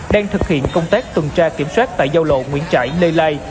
đang thực hiện công tác tuần tra kiểm soát tại giao lộ nguyễn trãi lê lai